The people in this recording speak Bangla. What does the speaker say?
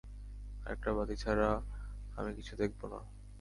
আরেকটা বাতি ছাড়া আমি কিছু দেখব না।